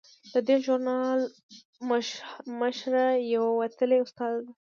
د دې ژورنال مشره یوه وتلې استاده ده.